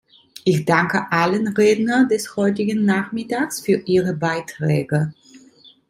Ich danke allen Rednern des heutigen Nachmittags für ihre Beiträge.